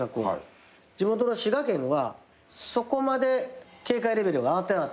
地元の滋賀県はそこまで警戒レベルが上がってなかったんかな。